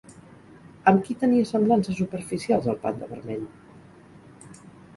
Amb qui tenia semblances superficials el panda vermell?